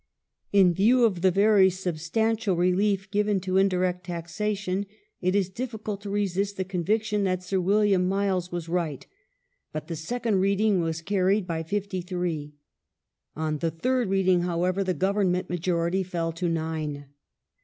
In view of the very sub stantial relief given to indirect taxation, it is difficult to resist the conviction that Sir William Miles was right ; but the second read ing was carried by fifty three. On the third reading, however, the Government majority fell to nine.